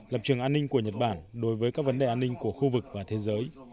lập trường an ninh của nhật bản đối với các vấn đề an ninh của khu vực và thế giới